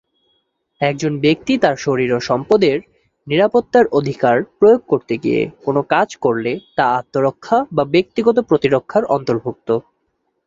একজন ব্যক্তি তার শরীর ও সম্পদের নিরাপত্তার অধিকার প্রয়োগ করতে গিয়ে কোনো কাজ করলে তা আত্মরক্ষা বা ব্যক্তিগত প্রতিরক্ষার অন্তর্ভুক্ত।